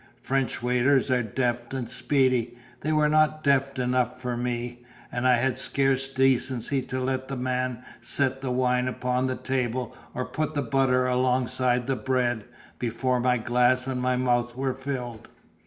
French waiters are deft and speedy; they were not deft enough for me; and I had scarce decency to let the man set the wine upon the table or put the butter alongside the bread, before my glass and my mouth were filled.